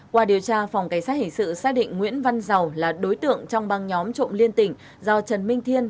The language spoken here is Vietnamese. qua điều tra phòng cảnh sát hình sự xác định nguyễn văn giàu là đối tượng trong băng nhóm trộm liên tỉnh do trần minh thiên